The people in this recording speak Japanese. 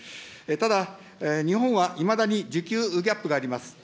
ただ、日本はいまだに需給ギャップがあります。